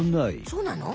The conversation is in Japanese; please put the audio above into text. そうなの？